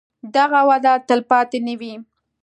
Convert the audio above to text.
دغه وده تلپاتې نه وي.